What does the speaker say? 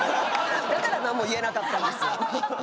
だから何も言えなかったんですよ。